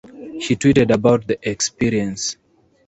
She tweeted about the experience.